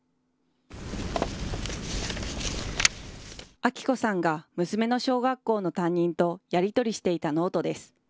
明子さんが、娘の小学校の担任とやり取りしていたノートです。